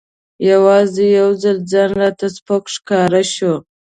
یوازې یو ځل ځان راته سپک ښکاره شو.